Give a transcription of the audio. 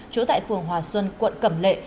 chủ tại phường hòa xuân quận cẩm lệ